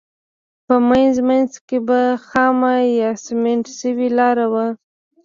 په منځ منځ کې به خامه یا سمنټ شوې لاره وه.